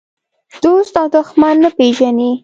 دوست او دښمن نه پېژني.